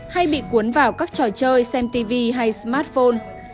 hay bị cuốn vào các trò chơi xem tv hay smartphone